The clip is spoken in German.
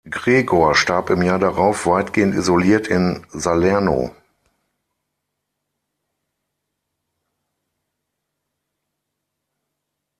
Gregor starb im Jahr darauf weitgehend isoliert in Salerno.